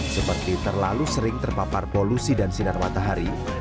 seperti terlalu sering terpapar polusi dan sinar matahari